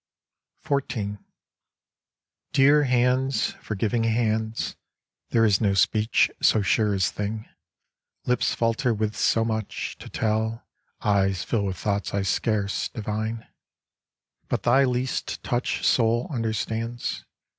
XIV Dear hands, forgiving hands, There is no speech so sure as thing. Lips falter with so much To tell, eyes fill with thoughts I scarce divine, But thy least touch Soul understands.